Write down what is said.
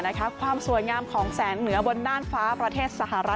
ความสวยงามของแสงเหนือบนน่านฟ้าประเทศสหรัฐ